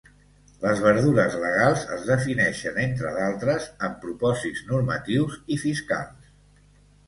Les verdures legals es defineixen, entre d'altres, amb propòsits normatius i fiscals.